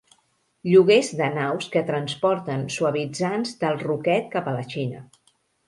Lloguers de naus que transporten suavitzants del ruquet cap a la Xina.